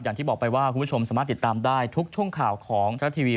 อย่างที่บอกไปว่าคุณผู้ชมสามารถติดตามได้ทุกช่วงข่าวของทรัฐทีวี